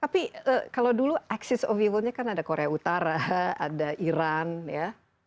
tapi kalau dulu axis of evil nya kan ada korea utara ada iran ya